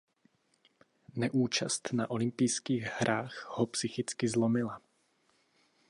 Neúčast na olympijských hrách ho psychicky zlomila.